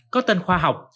có tên khoa học